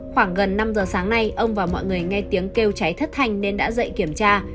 khoảng gần năm giờ sáng nay ông và mọi người nghe tiếng kêu cháy thất thành nên đã dạy kiểm tra